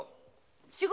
仕事？